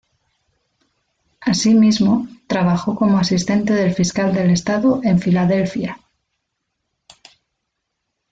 Asimismo, trabajó como asistente del fiscal del Estado en Filadelfia.